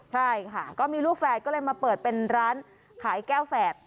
ใช่ค่ะก็มีลูกแฝดก็เลยมาเปิดเป็นร้านขายแก้วแฝด